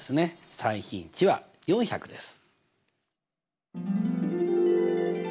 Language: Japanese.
最頻値は４００です。